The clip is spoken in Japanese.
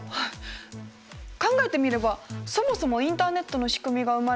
考えてみればそもそもインターネットの仕組みが生まれたのがアメリカ合衆国。